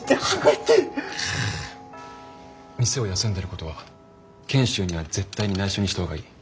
店を休んでることは賢秀には絶対にないしょにした方がいい。